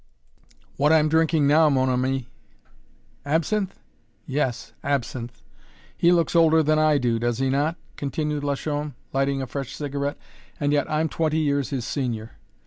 "What I'm drinking now, mon ami." "Absinthe?" "Yes absinthe! He looks older than I do, does he not?" continued Lachaume, lighting a fresh cigarette, "and yet I'm twenty years his senior.